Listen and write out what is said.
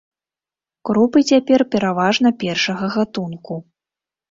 Крупы цяпер пераважна першага гатунку.